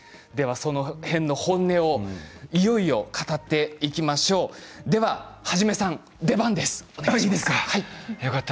その辺の本音をいよいよ語っていきましょういいですか、よかった。